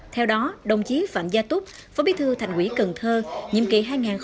theo đó đồng chí phạm gia túc phó bí thư thành ủy cần thơ nhiệm kỳ hai nghìn một mươi năm hai nghìn hai mươi năm